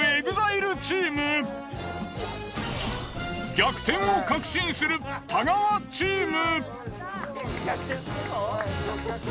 逆転を確信する太川チーム。